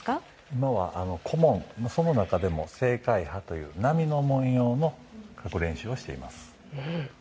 今は小紋、その中でも青海波という波の文様を描く練習をしています。